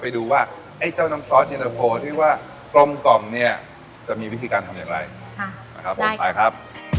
ไปดูว่าไอ้เจ้าน้ำซอสเย็นตะโฟที่ว่ากลมกล่อมเนี่ยจะมีวิธีการทำอย่างไรนะครับผมไปครับ